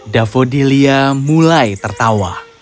davodilia mulai tertawa